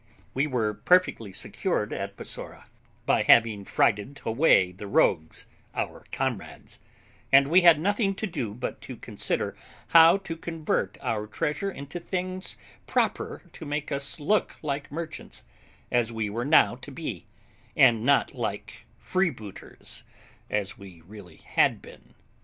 We were perfectly secured at Bassorah, by having frighted away the rogues, our comrades; and we had nothing to do but to consider how to convert our treasure into things proper to make us look like merchants, as we were now to be, and not like freebooters, as we really had been.